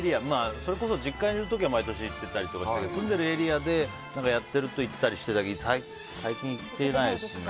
それこそ実家いる時は毎年行ってたりとかしたけど住んでるエリアでやってると行ったりしてたとけど最近行ってないですね。